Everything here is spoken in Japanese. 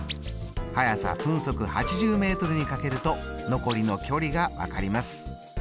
速さ分速８０ｍにかけると残りの距離が分かります。